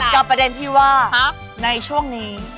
กับประเด็นที่ว่าในช่วงนี้